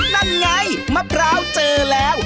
นั่นไงมะพร้าวเจอแล้ว